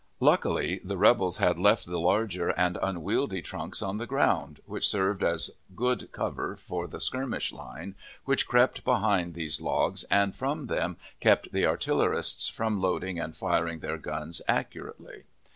Luckily, the rebels had left the larger and unwieldy trunks on the ground, which served as a good cover for the skirmish line, which crept behind these logs, and from them kept the artillerists from loading and firing their guns accurately.